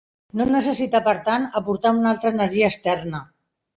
No necessita per tant aportar una altra energia externa.